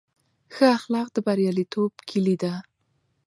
ښه اخلاق د بریالیتوب کیلي ده.